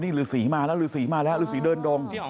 นี่รูสีมาแล้วรูสีเดินดง